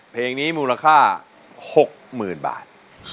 เพลงนี้มูลค่า๖๐๐๐บาท